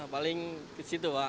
paling ke situ pak